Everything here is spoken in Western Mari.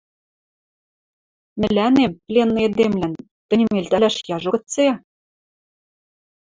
Мӹлӓнем, пленный эдемлӓн, тӹньӹм элтӓлӓш яжо гыце?